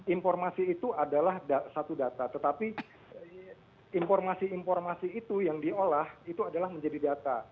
informasi itu adalah satu data tetapi informasi informasi itu yang diolah itu adalah menjadi data